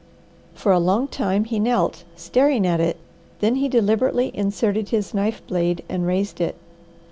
For a long time he knelt staring at it, then he deliberately inserted his knife blade and raised it.